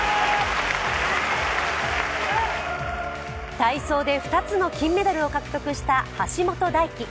体操で２つの金メダルを獲得した橋本大輝。